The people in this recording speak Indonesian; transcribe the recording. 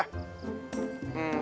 gak mau dihantar